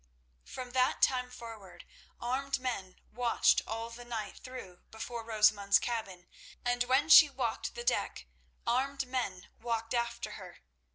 From that time forward armed men watched all the night through before Rosamund's cabin, and when she walked the deck armed men walked after her.